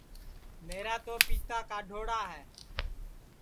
میرا تو پِتا کاڈؔوڑا ہے